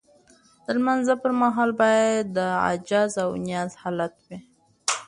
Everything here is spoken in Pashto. د لمانځه پر مهال باید د عجز او نیاز حالت وي.